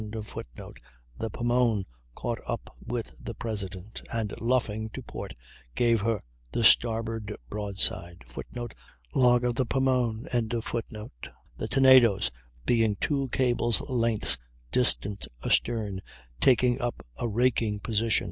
] the Pomone caught up with the President, and luffing to port gave her the starboard broadside [Footnote: Log of the Pomone.]; the Tenedos being two cables' length's distance astern, taking up a raking position.